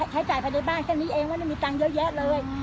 ใช้จ่ายไปในบ้านแค่นี้เองว่าไม่มีตังค์เยอะแยะเลยอืม